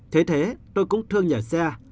thế thế tôi cũng thương nhà xe